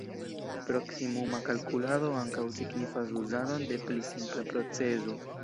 Proksimuma kalkulado ankaŭ signifas uzadon de pli simpla procezo.